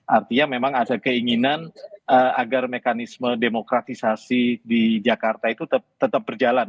artinya memang ada keinginan agar mekanisme demokratisasi di jakarta itu tetap berjalan